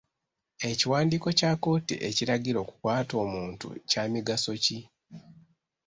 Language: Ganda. Ekiwandiiko kya kkooti ekiragira okukwata omuntu kya migaso ki?